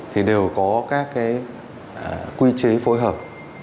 thì đều có các quy chế phối hợp